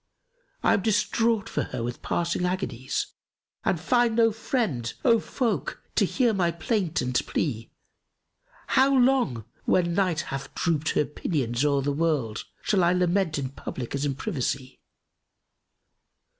I am distraught for her with passing agonies * And find no friend, O folk! to hear my plaint and plea. How long, when Night hath drooped her pinions o'er the world, * Shall I lament in public as in privacy?